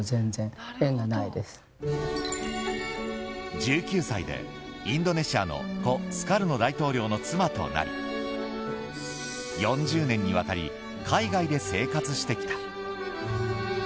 １９歳でインドネシアの故スカルノ大統領の妻となり４０年にわたり海外で生活してきた。